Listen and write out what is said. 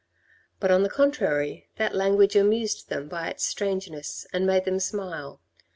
But, on the contrary, that language amused them by its strangeness and made them smile.